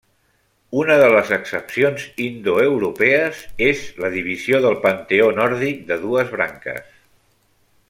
Una de les excepcions indoeuropees és la divisió del panteó nòrdic, de dues branques.